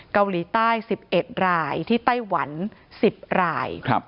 เกาหลีใต้๑๑รายที่ไต้หวัน๑๐ราย